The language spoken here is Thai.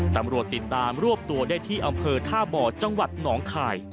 ตำรวจติดตามรวบตัวได้ที่อำเภอท่าบ่อจังหวัดหนองคาย